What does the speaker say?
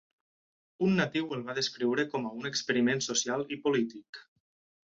Un natiu el va descriure com a un experiment social i polític.